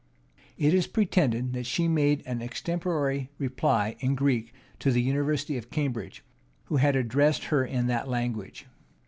It is pretended that she made an extemporary reply in Greek to the university of Cambridge, who had addressed her in that language.